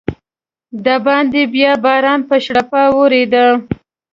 دباندې بیا باران په شړپا ورېده.